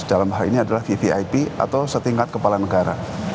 dalam hal ini adalah vvip atau setingkat kepala negara